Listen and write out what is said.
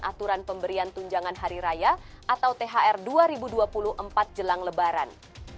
aturan pemberian tunjangan hari raya atau thr dua ribu dua puluh empat jelang lebaran